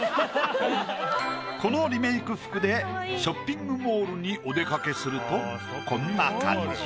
このリメイク服でショッピングモールにお出かけするとこんな感じ。